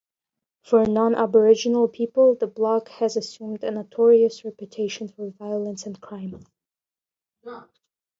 For non-Aboriginal people, The Block has assumed a notorious reputation for violence and crime.